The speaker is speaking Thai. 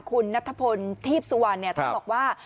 คุณนัฐพนธิพย์ที่สุวรรณว่า